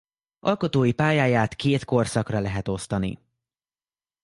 Alkotói pályáját két korszakra lehet osztani.